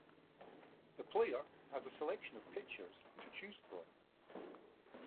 The player has a selection of pitchers to choose from.